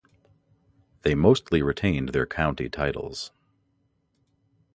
They mostly retained their county titles.